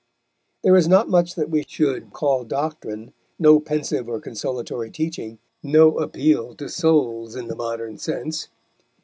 There is not much that we should call doctrine, no pensive or consolatory teaching, no appeal to souls in the modern sense.